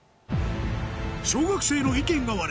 小学生の意見が割れ